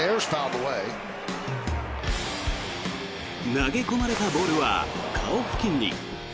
投げ込まれたボールは顔付近に。